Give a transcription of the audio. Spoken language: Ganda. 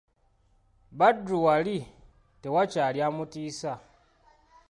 Badru waali tewakyali amutiisa!